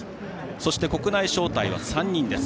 そして、国内招待は３人です。